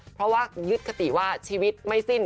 เพราะว่ายึดคติว่าชีวิตไม่สิ้น